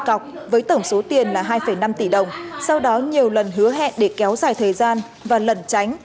cọc với tổng số tiền là hai năm tỷ đồng sau đó nhiều lần hứa hẹn để kéo dài thời gian và lẩn tránh